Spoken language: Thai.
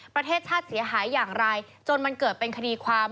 ประเทศชาติเสียหายอย่างไรจนมันเกิดเป็นคดีความ